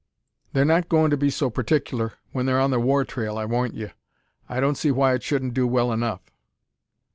"They're not going to be so partickler when they're on the war trail, I warrant ye. I don't see why it shouldn't do well enough."